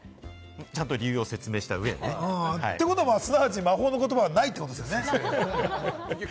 ちゃんと理由を説明した上でね。ということは、すなわち魔法の言葉はないってことですね。